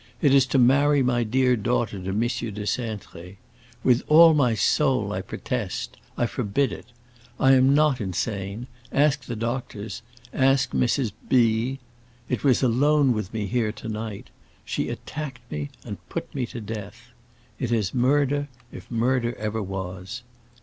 It is to marry my dear daughter to M. de Cintré. With all my soul I protest,—I forbid it. I am not insane,—ask the doctors, ask Mrs. B——. It was alone with me here, to night; she attacked me and put me to death. It is murder, if murder ever was.